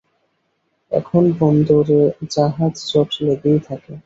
এখন বন্দরে জাহাজজট লেগেই থাকে।